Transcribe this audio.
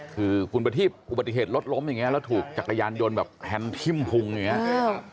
คืออุบัติเหตุรถล้มอย่างนี้แล้วถูกจักรยานโดนแฮนที่พิมพ์